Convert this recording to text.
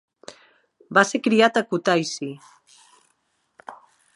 Va ser criat a Kutaisi.